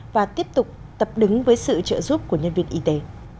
và tiếp tục tập đứng với sự trợ giúp của nhân viên y tế